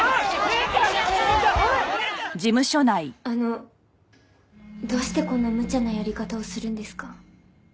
あのどうしてこんなむちゃなやり方をするんですか？